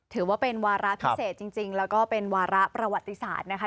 ถือว่าเป็นวาระพิเศษจริงแล้วก็เป็นวาระประวัติศาสตร์นะคะ